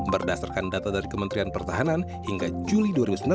berdasarkan data dari kementerian pertahanan hingga juli dua ribu sembilan belas